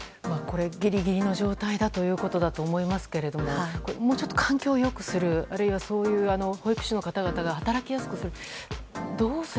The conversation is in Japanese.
ギリギリの状態だということだと思いますがもうちょっと環境を良くするあるいは保育士の方々が働きやすくする。